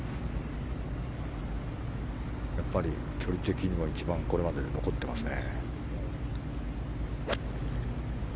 やっぱり、距離的にはこれまでで一番残ってますね。